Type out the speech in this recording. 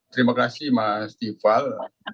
terima kasih mas tiffal